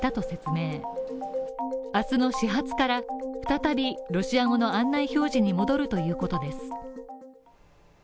明日の始発から再びロシア語の案内表示に戻るということです。